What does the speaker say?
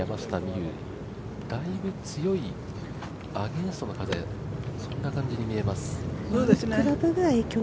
夢有、だいぶ強いアゲンストの風、そんな感じに見えます